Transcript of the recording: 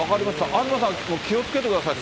東さんも気をつけてください。